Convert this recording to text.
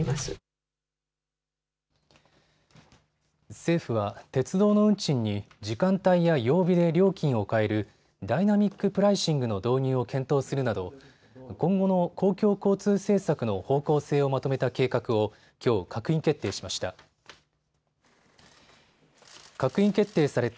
政府は鉄道の運賃に時間帯や曜日で料金を変えるダイナミックプライシングの導入を検討するなど今後の公共交通政策の方向性をまとめた計画をきょう閣議決定しました。